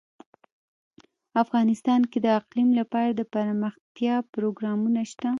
افغانستان کې د اقلیم لپاره دپرمختیا پروګرامونه شته.